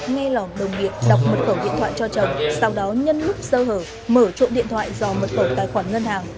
nghe lòng đồng nghiệp đọc mật khẩu điện thoại cho chồng sau đó nhân lúc sơ hở mở trộm điện thoại do mật khẩu tài khoản ngân hàng